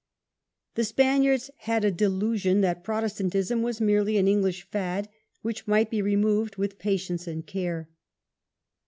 The Spaniards had a delusion that Protestantism was merely an English fad, which might be removed with patience and care.